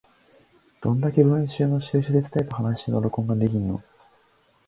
どんだけ文章の収集手伝えば話すの録音ができるの？